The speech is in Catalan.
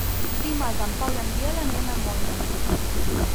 Dimarts en Pau i en Biel aniran a Almoines.